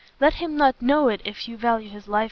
"Let him not know it if you value his life!"